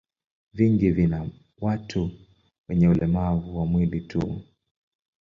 Vingi vina watu wenye ulemavu wa mwili tu.